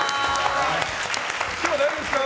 今日は大丈夫ですか？